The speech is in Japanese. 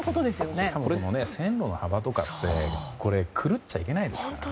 しかも線路の幅は狂っちゃいけないですからね。